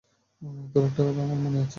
তোর একটা কথা আমার মনে আছে!